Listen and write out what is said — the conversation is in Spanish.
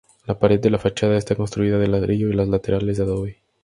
La pared de la fachada está construida de ladrillo y las laterales de adobe.